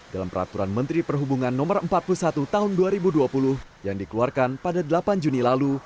dalam peraturan menteri perhubungan no empat puluh satu tahun dua ribu dua puluh yang dikeluarkan pada delapan juni lalu